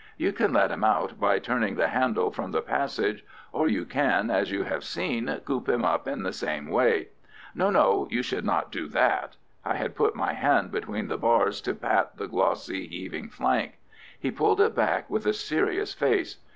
You can let him out by turning the handle from the passage, or you can, as you have seen, coop him up in the same way. No, no, you should not do that!" I had put my hand between the bars to pat the glossy, heaving flank. He pulled it back, with a serious face.